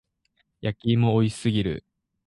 焼き芋美味しすぎる。